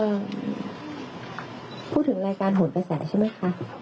เอ่อพูดถึงรายการห่วนกระแสใช่ไหมค่ะ